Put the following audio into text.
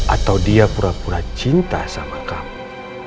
atau dia pura pura cinta sama kamu